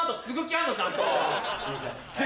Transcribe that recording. すいません。